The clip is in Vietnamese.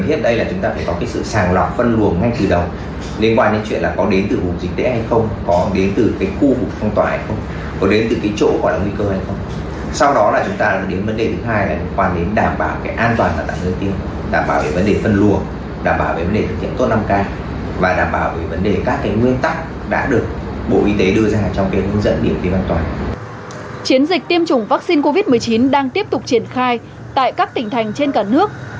chiến dịch tiêm chủng vaccine covid một mươi chín đang tiếp tục triển khai tại các tỉnh thành trên cả nước